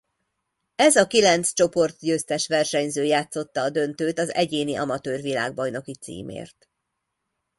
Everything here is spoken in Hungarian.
Ez a kilenc csoportgyőztes versenyző játszotta a döntőt az egyéni amatőr világbajnoki címért.